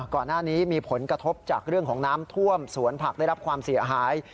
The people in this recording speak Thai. ก่อนหน้านี้มีผลกระทบจากเรื่องของน้ำท่วมสวนผักได้รับความเสียหาย